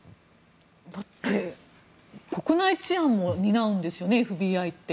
だって国内治安も担うんですよね、ＦＢＩって。